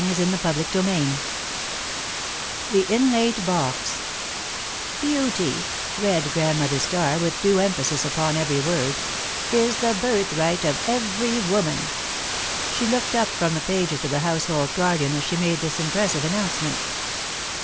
XV The Inlaid Box [Sidenote: Beauty] "'Beauty,'" read Grandmother Starr, with due emphasis upon every word, "'is the birthright of every woman,'" She looked up from the pages of The Household Guardian as she made this impressive announcement.